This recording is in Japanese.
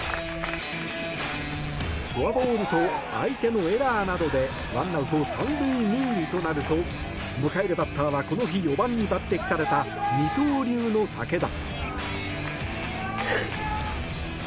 フォアボールと相手のエラーなどで１アウト３塁２塁となると迎えるバッターはこの日４番に抜てきされた二刀流の武田。